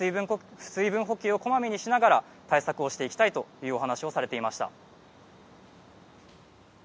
水分補給をこまめにしながら対策していきたいというお話をされていました。